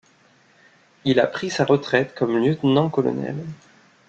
Il a pris sa retraite comme lieutenant-colonel.